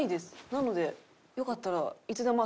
なのでよかったら。